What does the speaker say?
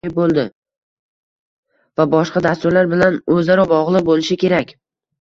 va boshqa dasturlar bilan o‘zaro bog‘liq bo‘lishi kerak.